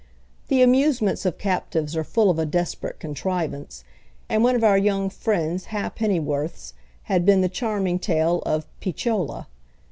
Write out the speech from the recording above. The amusements of captives are full of a desperate contrivance, and one of our young friend's ha'pennyworths had been the charming tale of Picciola.